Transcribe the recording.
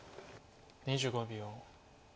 ２５秒。